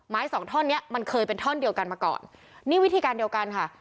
สองท่อนเนี้ยมันเคยเป็นท่อนเดียวกันมาก่อนนี่วิธีการเดียวกันค่ะ